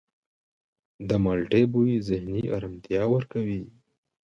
د مالټې بوی ذهني آرامتیا ورکوي.